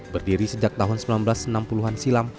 berdiri sejak tahun seribu sembilan ratus enam puluh an silam